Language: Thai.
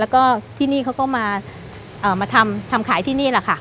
แล้วก็ที่นี่เขาก็มาทำขายที่นี่แหละค่ะ